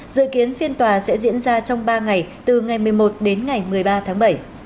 dự kiến phiên tòa sẽ diễn ra trong ba ngày từ ngày một mươi một đến ngày một mươi ba tháng bảy